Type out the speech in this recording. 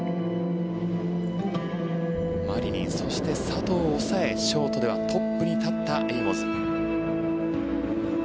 マリニン、そして佐藤を抑えショートではトップに立ったエイモズ。